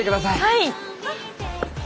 はい。